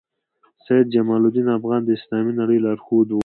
سید جمال الدین افغاني د اسلامي نړۍ لارښود وو.